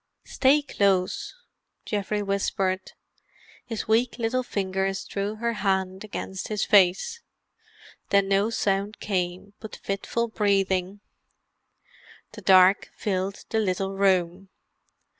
"Stay close," Geoffrey whispered. His weak little fingers drew her hand against his face. Then no sound came but fitful breathing. The dark filled the little room.